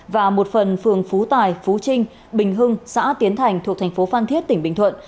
và một phần phường phú tài phú trinh bình hưng xã tiến thành thuộc thành phố phan thiết tỉnh bình thuận